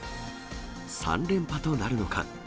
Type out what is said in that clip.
３連覇となるのか。